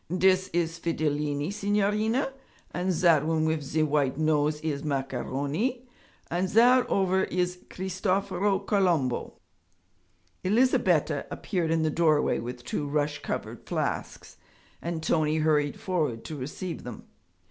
'Dis is Fidilini, signorina, and zat one wif ze white nose is Macaroni, and zat ovver is Cristoforo Colombo.' Elizabetta appeared in the doorway with two rush covered flasks, and Tony hurried forward to receive them.